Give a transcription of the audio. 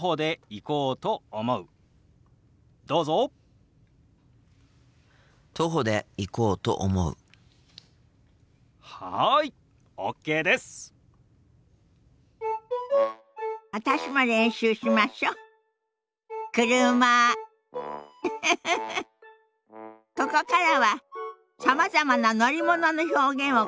ここからはさまざまな乗り物の表現をご紹介します。